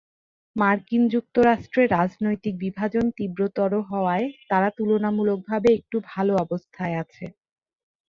মার্কিন যুক্তরাষ্ট্রে রাজনৈতিক বিভাজন তীব্রতর হওয়ায় তারা তুলনামূলকভাবে একটু ভালো অবস্থায় আছে।